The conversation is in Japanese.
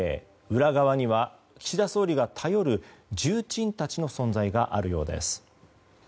裏側には岸田総理が頼る重鎮たちの存在があるようです。